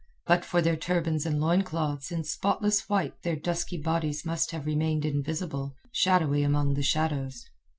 But for their turbans and loincloths in spotless white their dusky bodies must have remained invisible, shadowy among the shadows.